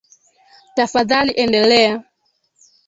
Tafadhali endelea.